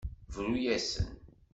Bru-asen.